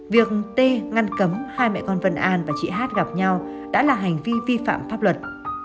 việc t ngăn cấm hai mẹ con vân an và chị hát gặp nhau đã là hành vi vi phạm pháp luật